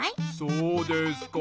そうですか。